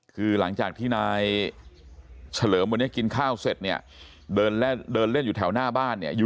คือหลังจากที่นายเฉลิมวันนี้กินข้าวเสร็จเนี่ยเดินเล่นอยู่แถวหน้าบ้านเนี่ย